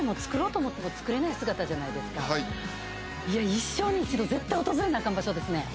一生に一度絶対訪れなあかん場所ですね。